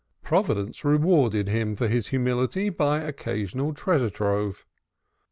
Providence rewarded him for his humility by occasional treasure trove.